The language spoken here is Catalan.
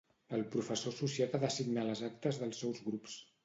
El professor associat ha de signar les actes dels seus grups.